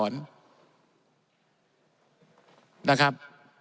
นะครับ